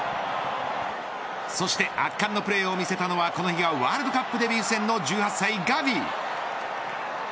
そして、圧巻のプレーを見せたのは、この日がワールドカップデビュー戦の１８歳ガヴィ。